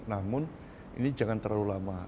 namun ini jangan terlalu lama